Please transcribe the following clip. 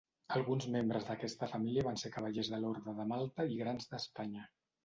Alguns membres d'aquesta família van ser cavallers de l'Orde de Malta i Grans d'Espanya.